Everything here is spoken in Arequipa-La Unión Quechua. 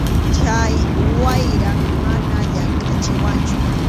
Chay wayram mana llamkʼachiwanchu.